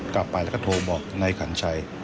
กลับไปแล้วก็โทรบอกนายขันชัย